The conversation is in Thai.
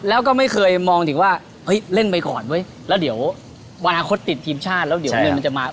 แล้วก็ไม่เคยมองถึงว่าเฮ้ยเล่นไปก่อนเว้ยแล้วเดี๋ยววันอาทิตย์ติดทีมชาติแล้วเดี๋ยวเงินมันจะมา